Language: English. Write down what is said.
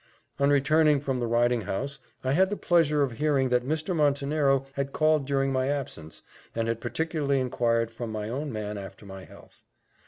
On returning from the riding house, I had the pleasure of hearing that Mr. Montenero had called during my absence, and had particularly inquired from my own man after my health.